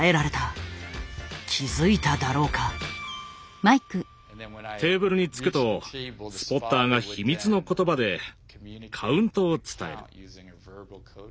今テーブルにつくとスポッターが秘密の言葉でカウントを伝える。